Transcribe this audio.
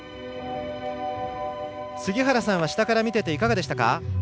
杉原さんは下から見ていてどうでしたか。